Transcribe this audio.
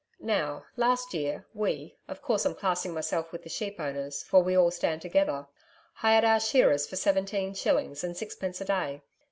Now, last year, we of course I'm classing myself with the sheep owners, for we all stand together hired our shearers for seventeen shillings and sixpence a day.